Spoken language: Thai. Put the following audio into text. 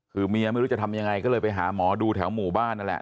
คือเมียไม่รู้จะทำยังไงก็เลยไปหาหมอดูแถวหมู่บ้านนั่นแหละ